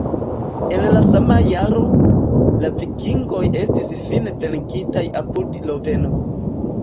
En la sama jaro, la vikingoj estis fine venkitaj apud Loveno.